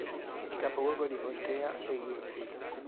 Il capoluogo di contea è Winfield